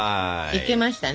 いけましたね。